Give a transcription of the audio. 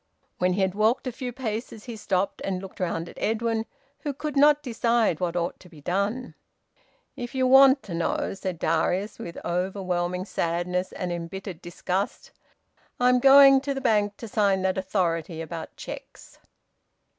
When he had walked a few paces, he stopped and looked round at Edwin, who could not decide what ought to be done. "If ye want to know," said Darius, with overwhelming sadness and embittered disgust, "I'm going to th' Bank to sign that authority about cheques."